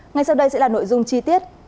ngay sau đây sẽ là nội dung chi tiết